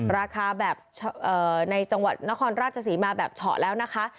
ราคาแบบในจังหวัดนครราชศรีมาแบบเฉาะแล้วนะคะ